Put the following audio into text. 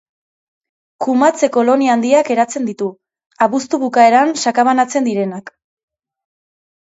Kumatze-kolonia handiak eratzen ditu, abuztu bukaeran sakabanatzen direnak.